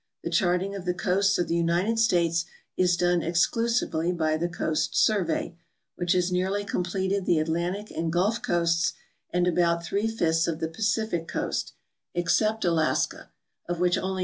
The charting of the coasts of the United States is done exclusively by the Coast Survey, which has nearly completed the Atlantic and Gulf coasts and about three fifths of the Pacific coast, except Alaska, of which only